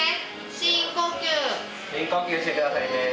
・深呼吸して下さいね。